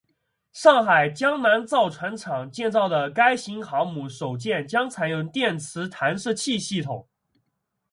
上海江南造船厂建造的该型航母首舰将采用电磁弹射器系统。